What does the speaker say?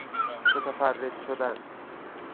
متفرد شدن